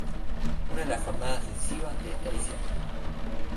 Una de las jornadas decisivas de esta edición.